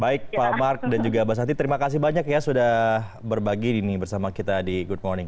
baik pak mark dan juga mbak santi terima kasih banyak ya sudah berbagi bersama kita di good morning